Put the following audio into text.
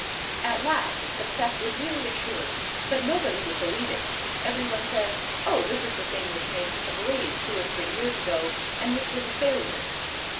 At last, success was really assured, but nobody would believe it. Every one said, "Oh, this is the thing which made such a blaze two or three years ago, and which was a failure."